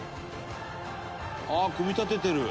「ああ組み立ててる」